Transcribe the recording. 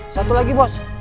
satu lagi bos